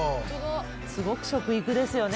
すごく食育ですよね